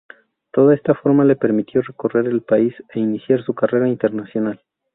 Toda esta fama le permitió recorrer el país e iniciar su carrera internacional.